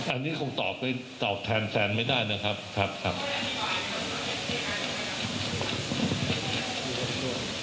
อันนี้คงตอบไปตอบแทนแฟนไม่ได้นะครับครับ